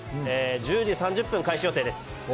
１０時３０分開始予定です。